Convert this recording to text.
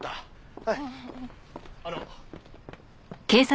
あの。